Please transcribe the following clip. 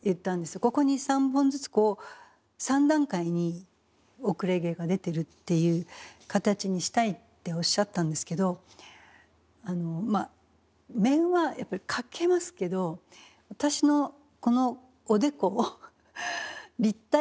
ここに３本ずつこう３段階に後れ毛が出てるっていう形にしたいっておっしゃったんですけどまあ面はやっぱり描けますけど私のこのおでこ立体じゃないですか。